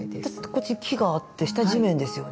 こっち木があって下地面ですよね。